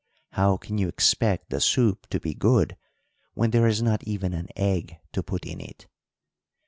How can you expect the soup to be good when there is not even an egg to put in it?